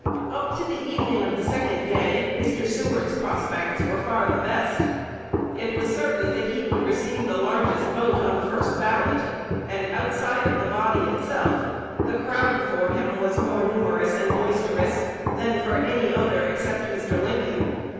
Up to the evening of the second day, Mr. Seward's prospects were far the best. It was certain that he would receive the largest vote on the first ballot; and outside of the body itself the "crowd" for him was more numerous and boisterous than for any other, except Mr. Lincoln.